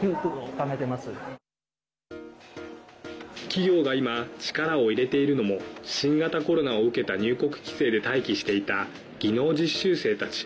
企業が今、力を入れているのも新型コロナを受けた入国規制で待機していた技能実習生たち